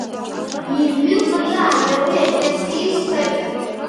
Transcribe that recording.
ირგვლივ ყრია ადრეული ეკლესიის ქვები.